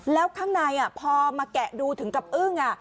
แล้วข้างในพอมาแกะดูถึงกับอึ้ง